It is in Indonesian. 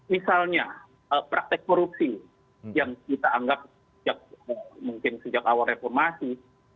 misalnya praktek korupsi yang kita anggap mungkin sejak awal reformasi